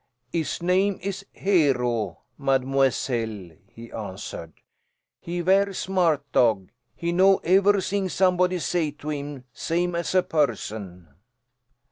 "Hes name is Hero, mademoiselle," he answered. "He vair smart dog. He know evair sing somebody say to him, same as a person."